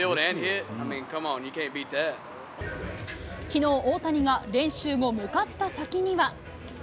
きのう、大谷が練習後、向かった先には。